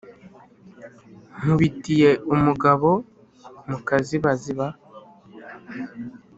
nkubitiye umugabo mu kazibaziba,